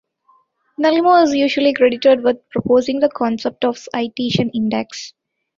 Nalimov is usually credited with proposing the concept of citation index.